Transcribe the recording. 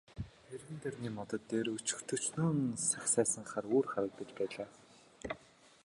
Эргэн тойрны модод дээр өч төчнөөн сагсайсан хар үүр харагдаж байлаа.